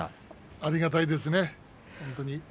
ありがたいですね、本当に。